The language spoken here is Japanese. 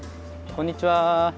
こんにちは。